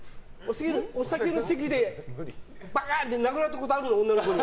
お酒の席でパーンって殴られたことあるの、女の子に。